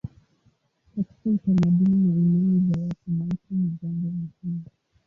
Katika utamaduni na imani za watu mauti ni jambo muhimu.